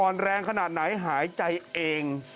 อ่อนแรงขนาดไหนหายใจเอง